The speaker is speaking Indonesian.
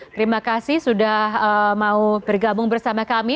terima kasih sudah mau bergabung bersama kami